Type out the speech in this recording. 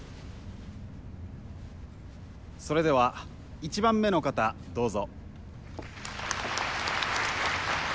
それでは１番目の方どうぞ。